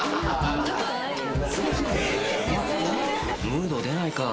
ムード出ないか。